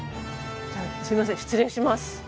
すいません失礼します。